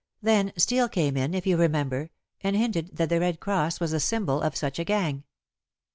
Then Steel came in, if you remember, and hinted that the red cross was the symbol of such a gang.